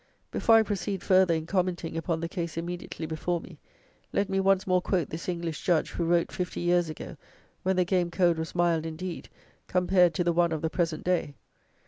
Before I proceed further in commenting upon the case immediately before me, let me once more quote this English Judge, who wrote fifty years ago, when the Game Code was mild indeed, compared to the one of the present day.